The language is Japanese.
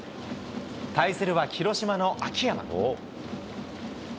対するは広島の秋山。